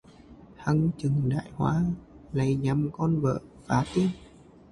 Hắn chừ đại họa, lấy nhằm con vợ phá tiền